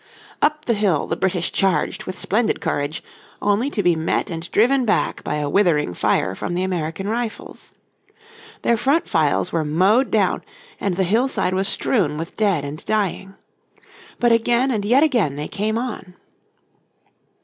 Up the hill the British charged with splendid courage, only to be met and driven back by a withering fire from the American rifles. Their front riles were mowed down, and the hillside was strewn with dead and dying. But again and yet again they came on.